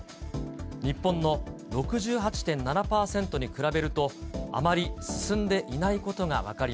日本の６８．７％に比べると、あまり進んでいないことが分かり